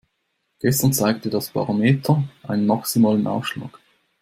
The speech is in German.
Gestern zeigte das Barometer einen maximalen Ausschlag.